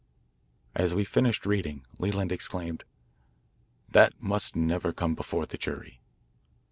As we finished reading, Leland exclaimed, "That never must come before the jury."